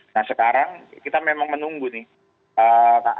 nah sekarang kita memang menunggu nih